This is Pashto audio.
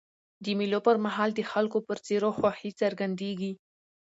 د مېلو پر مهال د خلکو پر څېرو خوښي څرګندېږي.